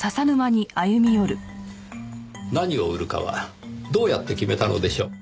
何を売るかはどうやって決めたのでしょう？